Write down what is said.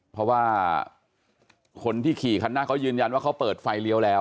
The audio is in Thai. เพราะว่าคนที่ขี่คันหน้าเขายืนยันว่าเขาเปิดไฟเลี้ยวแล้ว